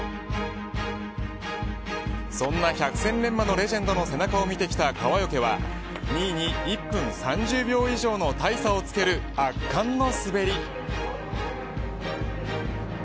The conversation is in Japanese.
そんな百戦錬磨のレジェンドの背中を見てきた川除は２位に１分３０秒以上の大差をつける圧巻の滑り。